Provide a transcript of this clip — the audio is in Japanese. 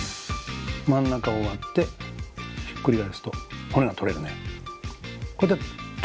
真ん中を割ってひっくり返すと骨が取れるね。